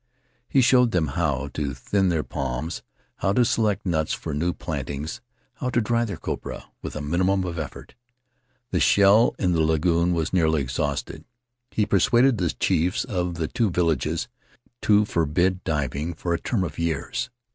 He showed them how to thin their palms, how to select nuts for new plantings, how to dry their copra with a minimum of effort. The shell in the lagoon was nearly exhausted ; he persuaded the chiefs of the two villages to forbid diving for a term of years.